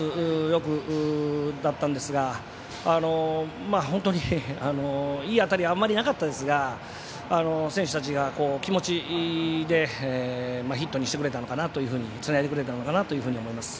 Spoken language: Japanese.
よくでしたが本当に、いい当たりはあまりなかったですが選手たちが気持ちでヒットにしてくれたのかなとつないでくれたのかなと思います。